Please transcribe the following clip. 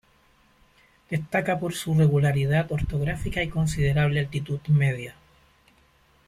Destaca por su regularidad orográfica y considerable altitud media.